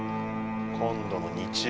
今度の日曜。